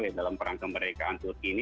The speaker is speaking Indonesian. ya dalam perang kemerdekaan turki ini